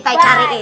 kamu nggak geli